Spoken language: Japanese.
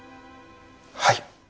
はい。